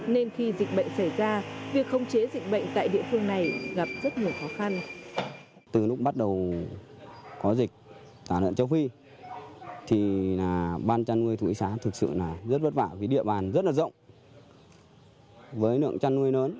nên khi dịch bệnh xảy ra việc khống chế dịch bệnh tại địa phương này gặp rất nhiều khó khăn